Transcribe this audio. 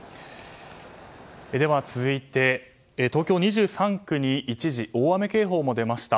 では、続いて東京２３区に一時大雨警報も出ました。